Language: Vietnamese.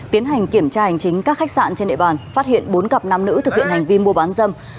tiến hành kiểm tra hành chính các khách sạn trên địa bàn phát hiện bốn cặp nam nữ thực hiện hành vi mua bán dâm